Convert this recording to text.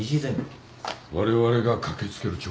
われわれが駆け付ける直前ですね。